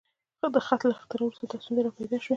د خط له اختراع وروسته دا ستونزې راپیدا شوې.